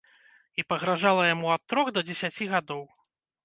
І пагражала яму ад трох да дзесяці гадоў.